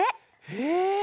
へえ！